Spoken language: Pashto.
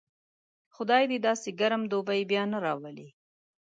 خدای دې داسې ګرم دوبی بیا نه راولي.